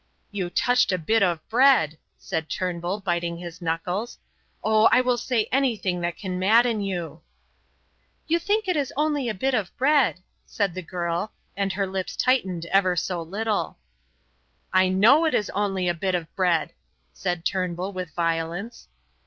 "You touched a bit of bread," said Turnbull, biting his knuckles. "Oh, I will say anything that can madden you!" "You think it is only a bit of bread," said the girl, and her lips tightened ever so little. "I know it is only a bit of bread," said Turnbull, with violence.